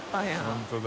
本当だ。